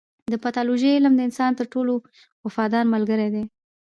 د پیتالوژي علم د انسان تر ټولو وفادار ملګری دی.